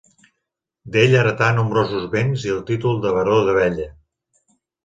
D'ell heretà nombrosos béns i el títol de baró d'Abella.